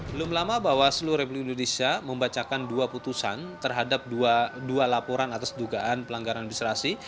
belum lama bawaslu republik indonesia membacakan dua putusan terhadap dua laporan atas dugaan pelanggaran administrasi